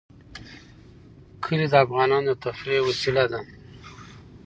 کلي د افغانانو د تفریح یوه وسیله ده.